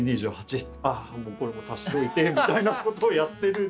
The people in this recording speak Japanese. これも足しといてみたいなことをやってる。